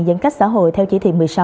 giãn cách xã hội theo chỉ thị một mươi sáu